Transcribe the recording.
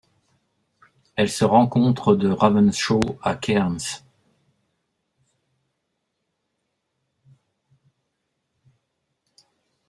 Elle se rencontre de Ravenshoe à Cairns.